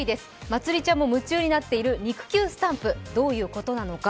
まつりちゃんも夢中になっている肉球スタンプ、どういうことなのか。